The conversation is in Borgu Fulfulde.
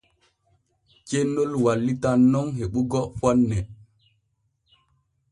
Cennol wallitan nun heɓugo fonne.